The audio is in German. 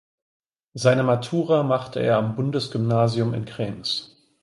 Seine Matura machte er am Bundesgymnasium in Krems.